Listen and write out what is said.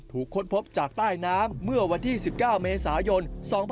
ค้นพบจากใต้น้ำเมื่อวันที่๑๙เมษายน๒๕๖๒